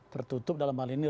tertutup dalam hal ini